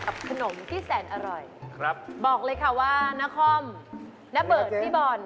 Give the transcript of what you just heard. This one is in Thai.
กับขนมที่แสนอร่อยบอกเลยค่ะว่าณคอมณเบิร์ตพี่บอล